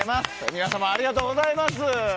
皆様、ありがとうございます。